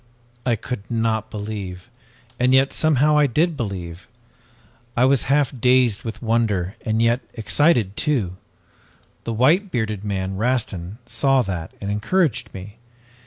"I could not believe and yet somehow I did believe! I was half dazed with wonder and yet excited too. The white bearded man, Rastin, saw that, and encouraged me.